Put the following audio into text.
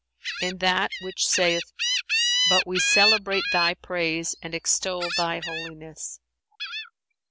"In that which saith, 'But we celebrate Thy praise and extol Thy holiness.'"